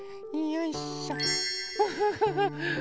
よいしょ。